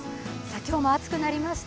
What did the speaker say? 今日も暑くなりました。